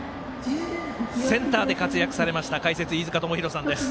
センターで活躍されました、解説飯塚智広さんです。